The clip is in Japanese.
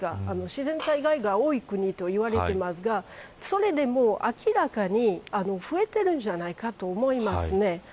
自然災害が多い国と言われていますがそれでも、明らかに増えているんじゃないかと思いますね。